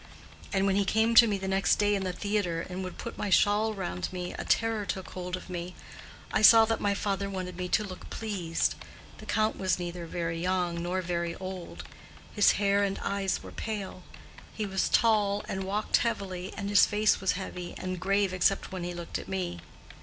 And when he came to me the next day in the theatre and would put my shawl around me, a terror took hold of me; I saw that my father wanted me to look pleased. The Count was neither very young nor very old; his hair and eyes were pale; he was tall and walked heavily, and his face was heavy and grave except when he looked at me.